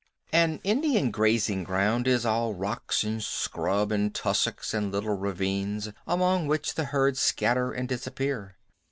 An Indian grazing ground is all rocks and scrub and tussocks and little ravines, among which the herds scatter and disappear.